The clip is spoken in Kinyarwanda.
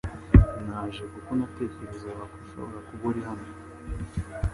Naje kuko natekerezaga ko ushobora kuba uri hano .